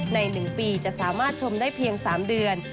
ใน๑ปีจะสามารถชมได้เพียง๓เดือน